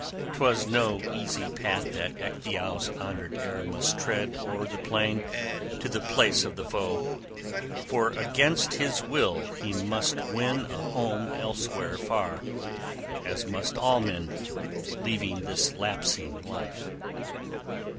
'Twas no easy path that Ecgtheow's honored heir must tread over the plain to the place of the foe; for against his will he must win a home elsewhere far, as must all men, leaving this lapsing life!